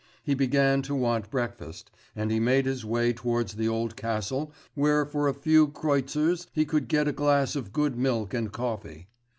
He began to want breakfast, and he made his way towards the old castle where for a few kreutzers he could get a glass of good milk and coffee.